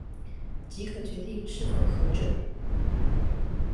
即可決定是否核准